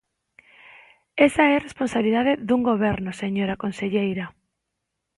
Esa é responsabilidade dun goberno, señora conselleira.